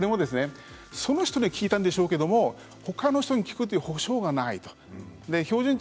その人には効いたんでしょうけれど他の人に効くという保証はありません。